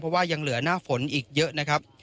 เพราะว่ายังเหลือหน้าฝนอีกเยอะนะครับ